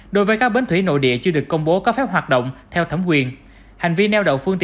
đối với các bến thủy nội địa chưa được công bố có phép hoạt động theo thẩm quyền